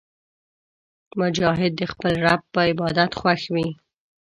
مجاهد د خپل رب په عبادت خوښ وي.